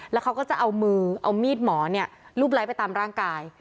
แล้วเขาก็จะเอามือเอามีดหมอเนี่ยรูปไลค์ไปตามร่างกาย